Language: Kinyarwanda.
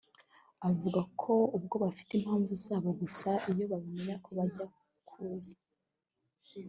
avuga ko ubwo bafite impamvu zabo gusa iyo babimenya ko bajyaga kuza